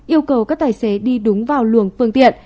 yêu cầu các tài xế đi đúng vào luồng phương tiện